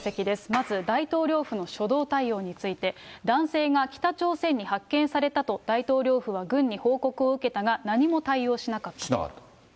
まず大統領府の初動対応について、男性が北朝鮮に発見されたと、大統領府は軍に報告を受けたが何も対応しなかった。